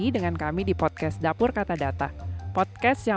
dapur kata data podcast